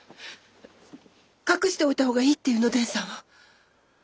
隠しておいた方がいいって言うの伝さんは？